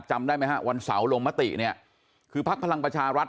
จำได้ไหมฮะวันเสาร์ลงมติเนี่ยคือพักพลังประชารัฐ